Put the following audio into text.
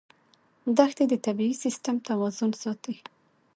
دښتې د طبعي سیسټم توازن ساتي.